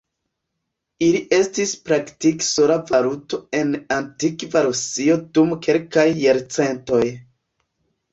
Ili estis praktike sola valuto en antikva Rusio dum kelkaj jarcentoj.